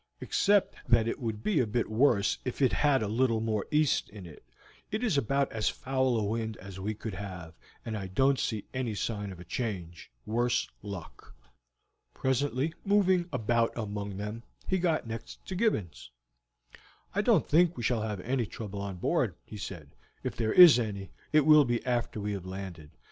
Except that it would be a bit worse if it had a little more east in it, it is about as foul a wind as we could have, and I don't see any sign of a change, worse luck." Presently, moving about among them, he got next to Gibbons. "I don't think we shall have any trouble on board," he said; "if there is any, it will be after we have landed.